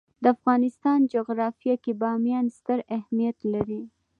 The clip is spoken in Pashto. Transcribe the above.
د افغانستان جغرافیه کې بامیان ستر اهمیت لري.